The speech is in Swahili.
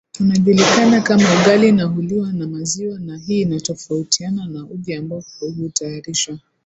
unajulikana kama ugali na huliwa na maziwa na hii inatofautiana na uji ambayo hutayarishwa